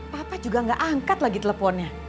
papa juga gak angkat lagi teleponnya